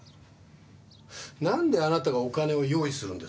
なんであなたがお金を用意するんです？